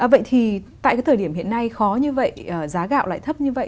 vậy thì tại cái thời điểm hiện nay khó như vậy giá gạo lại thấp như vậy